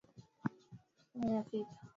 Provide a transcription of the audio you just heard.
Lita kumi na sita